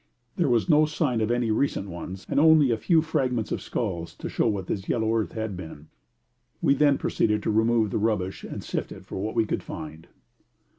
There was no sign of any recent ones and only a few fragments of skulls to show what this yellow earth had been. We then proceeded to remove the rubbish and sift it for what we could find.